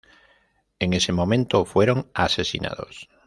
En ese momento fueron asesinados.